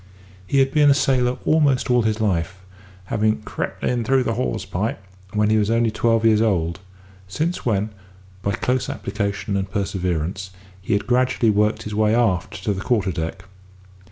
He had been a sailor almost all his life, having "crept in through the hawse pipe" when he was only twelve years old; since when, by close application and perseverance, he had gradually worked his way aft to the quarter deck.